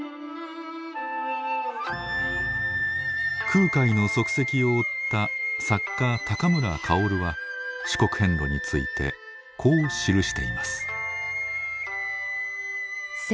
空海の足跡を追った作家村薫は四国遍路についてこう記しています。